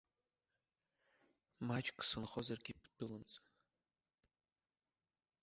Маҷк сынхозаргьы бдәылымҵын!